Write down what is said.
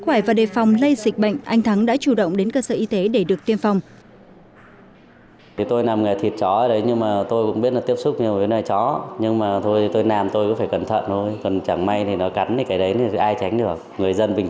khỏe và đề phòng lây dịch bệnh anh thắng đã chủ động đến cơ sở y tế để được tiêm phòng